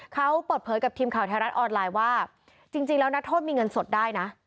เขาเปิดเผยกับทีมข่าวไทยรัฐออนไลน์ว่าจริงแล้วนักโทษมีเงินสดได้นะ